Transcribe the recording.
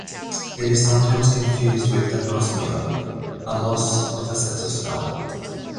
It is sometimes confused with anosmia - a loss of the sense of smell.